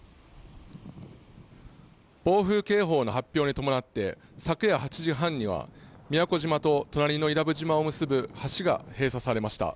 暴風警報の発表に伴って、昨夜８時半には宮古島と隣の伊良部島を結ぶ橋が閉鎖されました。